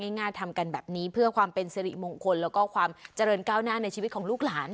ง่ายทำกันแบบนี้เพื่อความเป็นสิริมงคลแล้วก็ความเจริญก้าวหน้าในชีวิตของลูกหลาน